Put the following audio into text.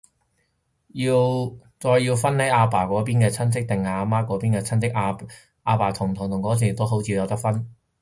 再要分係阿爸嗰邊啲親戚，定阿媽嗰邊啲親戚，阿爸嘅堂同表都好似有得分